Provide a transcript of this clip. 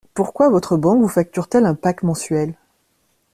Pourquoi votre banque vous facture-t-elle un pack mensuel?